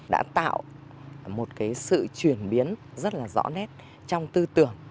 đã tạo một sự chuyển biến rất là rõ nét trong tư tưởng